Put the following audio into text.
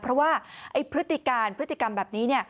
เพราะว่าพฤติการพฤติกรรมแบบนี้